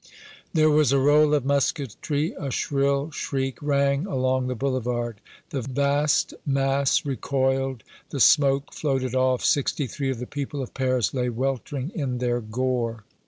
There was a roll of musketry a shrill shriek rang along the Boulevard the vast mass recoiled the smoke floated off sixty three of the people of Paris lay weltering in their gore!